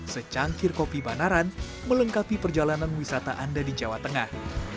secangkir kopi banaran melengkapi perjalanan wisata anda di jawa tengah